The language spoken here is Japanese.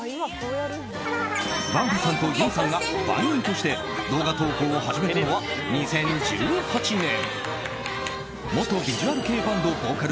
ヴァンビさんと、ゆんさんがヴァンゆんとして動画投稿を始めたのは２０１８年。